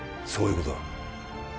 そういうことだ